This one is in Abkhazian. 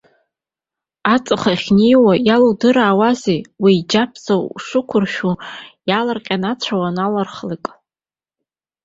Аҵх ахьнеихьоу иалудыраауазеи, уеиџьыԥӡа ушықәыршәу, иаалырҟьаны, ацәа уанаалырхлак!